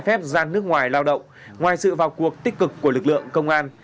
khép gian nước ngoài lao động ngoài sự vào cuộc tích cực của lực lượng công an